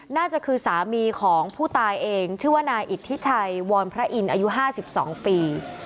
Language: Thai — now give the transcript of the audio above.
น่าจะคือสามีของผู้ตายเองชื่อว่านายอิทธิชัยวรพระอินทร์อายุ๕๒ปี